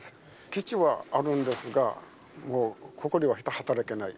基地はあるんですが、ここでは働けない。